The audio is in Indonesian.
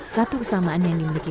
satu kesamaan yang dimiliki